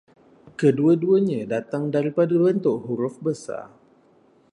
Kedua-duanya datang daripada bentuk huruf besar